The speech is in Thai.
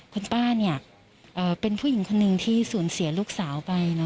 คุณป้าเป็นผู้หญิงคนหนึ่งที่สูญเสียลูกสาวไป